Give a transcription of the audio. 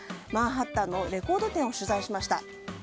マンハッタンのレコード店を取材しました。